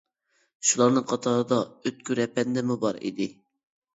شۇلارنىڭ قاتارىدا ئۆتكۈر ئەپەندىممۇ بار ئىدى.